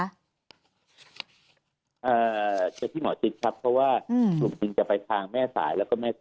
จะใช้ที่หมอชิดครับเพราะว่าจริงจะไปทางแม่สายแล้วก็แม่ต่อ